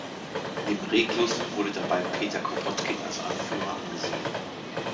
Neben Reclus wurde dabei Peter Kropotkin als Anführer angesehen.